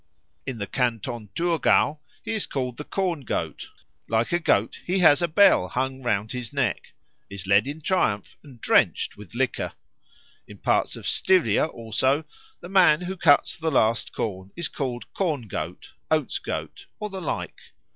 In the Canton Thurgau he is called Corn goat; like a goat he has a bell hung round his neck, is led in triumph, and drenched with liquor. In parts of Styria, also, the man who cuts the last corn is called Corn goat, Oats goat, or the like.